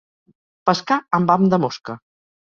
Pescar amb ham de mosca.